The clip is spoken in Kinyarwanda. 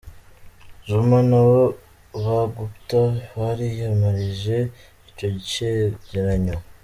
Zuma n'abo ba Gupta bariyamirije ico cegeranyo.